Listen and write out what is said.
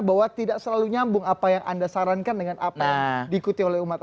kalau kita tidak selalu menyambung apa yang anda sarankan dengan apa yang diikuti oleh umat anda